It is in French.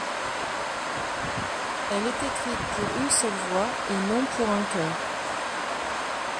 Elle est écrite pour une seule voix et non pour un chœur.